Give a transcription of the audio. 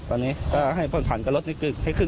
ตอนนี้ให้ผ่อนผันก็ลดได้สามอายุ